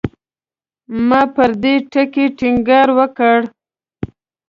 ما پر دې ټکي ټینګار وکړ.